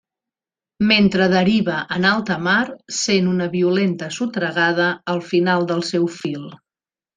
Mentre deriva en alta mar, sent una violenta sotragada al final del seu fil.